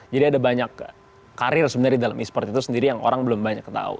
jadi ada banyak karir sebenarnya di dalam e sport itu sendiri yang orang belum banyak tau